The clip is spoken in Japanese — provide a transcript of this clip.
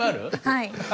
はい。